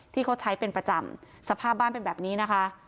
ที่เขาใช้เป็นประจำสภาพบ้านเป็นแบบนี้นะคะ